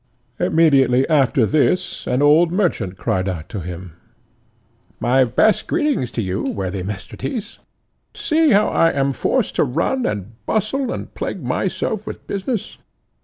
Immediately after this, an old merchant cried out to him, "My best greetings to you, worthy Mr. Tyss; see how I am forced to run and bustle, and plague myself with business.